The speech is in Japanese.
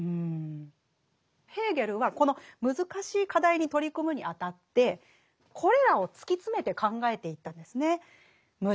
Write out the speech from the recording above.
ヘーゲルはこの難しい課題に取り組むにあたってこれらを突き詰めて考えていったんですね。